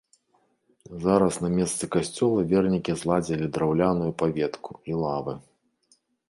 Зараз на месцы касцёла вернікі зладзілі драўляную паветку і лавы.